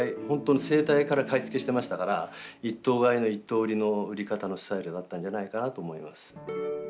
本当の生体から買い付けしてましたから一頭買いの一頭売りの売り方のスタイルだったんじゃないかなと思います。